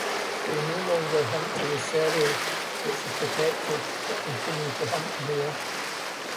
They no longer hunt the serow, which is protected, but continue to hunt bear.